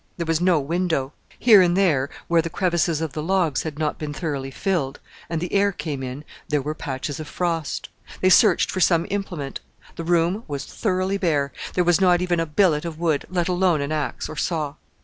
There was no window. Here and there, where the crevices of the logs had not been thoroughly filled, and the air came in, there were patches of frost. They searched for some implement. The room was thoroughly bare there was not even a billet of wood, let alone an axe, or saw.